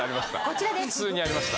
こちらです！